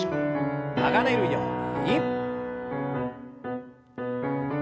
流れるように。